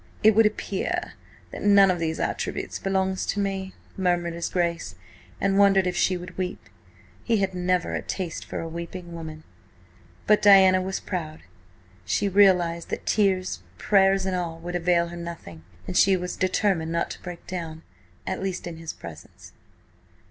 "It would appear that none of these attributes belongs to me," murmured his Grace, and wondered if she would weep. He had never a taste for a weeping woman. But Diana was proud. She realised that tears, prayers and all would avail her nothing, and she was determined not to break down, at least in his presence.